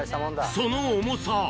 その重さ。